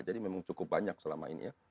jadi memang cukup banyak selama ini ya